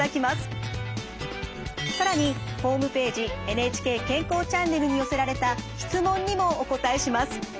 「ＮＨＫ健康チャンネル」に寄せられた質問にもお答えします。